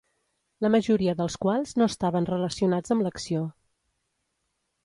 la majoria dels quals no estaven relacionats amb l'acció